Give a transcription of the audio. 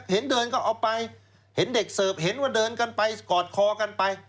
เห็นเดินก็เอาไปเห็นเด็กเสิร์ฟเห็นว่าเดินกันไปกอดคอกันไป